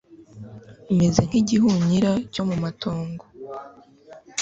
meze nk’igihunyira cyo mu matongo